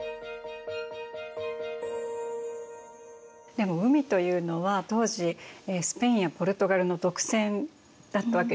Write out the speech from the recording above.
でも海というのは当時スペインやポルトガルの独占だったわけですよね